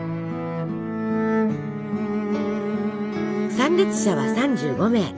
参列者は３５名。